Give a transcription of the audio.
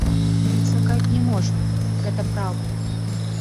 І чакаць не можна, гэта праўда!